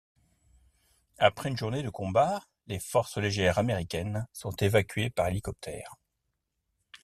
Après une journée de combat, les forces légères américaines sont évacuées par hélicoptère.